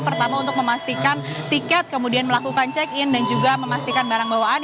pertama untuk memastikan tiket kemudian melakukan check in dan juga memastikan barang bawaan